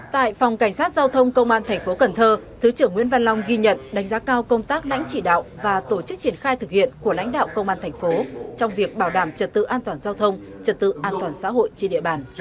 tại phòng cảnh sát giao thông công an thành phố cần thơ thứ trưởng nguyễn văn long ghi nhận đánh giá cao công tác lãnh chỉ đạo và tổ chức triển khai thực hiện của lãnh đạo công an thành phố trong việc bảo đảm trật tự an toàn giao thông trật tự an toàn xã hội trên địa bàn